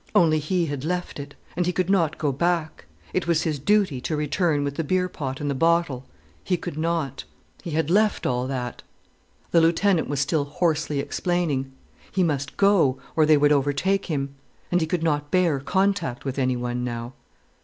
Only he had left it. And he could not go back. It was his duty to return with the beer pot and the bottle. He could not. He had left all that. The lieutenant was still hoarsely explaining. He must go, or they would, overtake him. And he could not bear contact with anyone now.